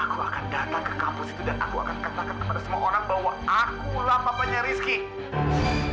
aku akan datang ke kampus itu dan aku akan katakan kepada semua orang bahwa akulah papanya rizky